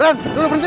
ren tulung ben rudan